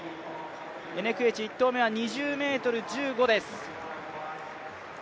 エネクエチ、１投目は２０ｍ１５です。